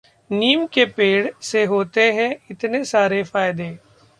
नीम के पेड़ से होते हैं इतने सारे फायदे